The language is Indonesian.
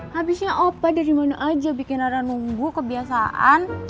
habisnya apa dari mana aja bikin rara nunggu kebiasaan